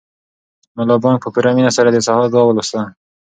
ملا بانګ په پوره مینه سره د سهار دعا ولوسته.